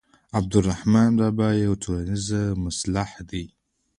عبدالرحمان بابا یو ټولنیز مصلح دی.